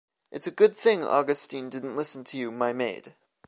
It's a good thing Augustine didn't listen to you, my maid!